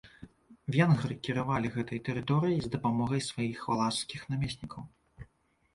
Венгры кіравалі гэтай тэрыторыяй з дапамогай сваіх валашскіх намеснікаў.